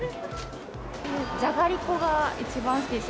じゃがりこが一番好きですね。